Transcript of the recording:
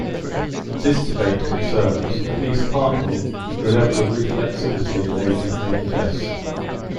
This debate concerns, at least partly, the level of reflexivity an agent may possess.